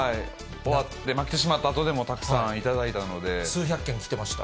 終わって負けてしまったあと数百件来てました？